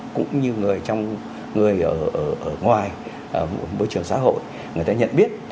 cũng như người ở ngoài môi trường xã hội người ta nhận biết